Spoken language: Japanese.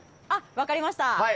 分かりました。